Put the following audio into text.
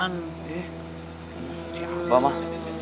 eh siapa mah